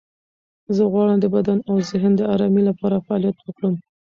زه غواړم د بدن او ذهن د آرامۍ لپاره فعالیت وکړم.